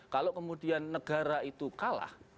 kalau kemudian negara itu kalah